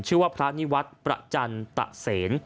ชื่อว่าพระนิวัฒน์ประจันตะเสน